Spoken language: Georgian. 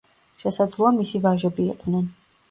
შესაძლოა მისი ვაჟები იყვნენ.